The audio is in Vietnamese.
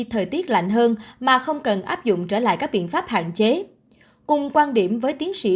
thời tiết lạnh hơn mà không cần áp dụng trở lại các biện pháp hạn chế cùng quan điểm với tiến sĩ